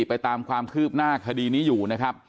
ไปตามความคืบหน้าคดีนี้อยู่นะครับ